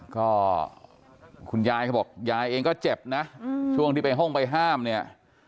ก็คุณยายเขาบอกยายเองก็เจ็บนะช่วงที่ไปห้องไปห้ามเนี่ย